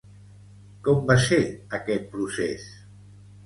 Com va ser aquest procés?